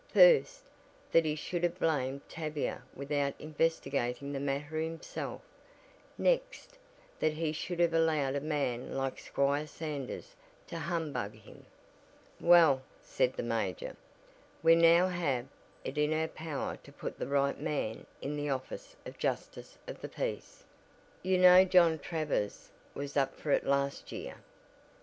First, that he should have blamed Tavia without investigating the matter himself; next that he should have allowed a man like Squire Sanders to "humbug" him. "Well," said the major, "we now have it in our power to put the right man in the office of Justice of the Peace. You know John Travers was up for it last year."